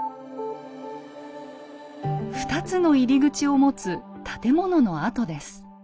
２つの入り口を持つ建物の跡です。